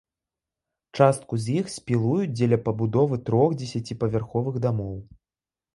Частку з іх спілуюць дзеля пабудовы трох дзесяціпавярховых дамоў.